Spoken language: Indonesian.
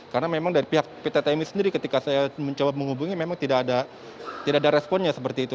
karena memang dari pihak pt tmi sendiri ketika saya mencoba menghubungi memang tidak ada responnya seperti itu